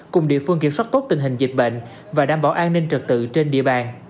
cùng địa phương kiểm soát tốt tình hình dịch bệnh và đảm bảo an ninh trật tự trên địa bàn